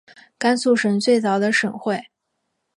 甘肃省最早的省会。